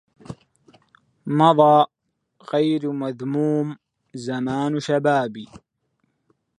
مضى غير مذموم زمان شبابي